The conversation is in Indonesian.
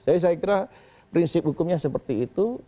jadi saya kira prinsip hukumnya seperti itu